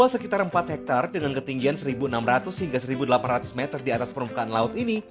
luas sekitar empat hektare dengan ketinggian seribu enam ratus hingga seribu delapan ratus meter di atas permukaan laut ini